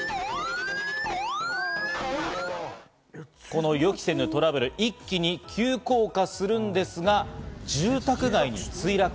この予期せぬトラブル、一気に急降下するんですが、住宅街に墜落。